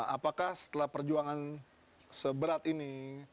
apakah setelah perjuangan seberat ini